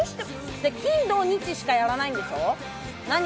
金土日しかやらないんでしょ。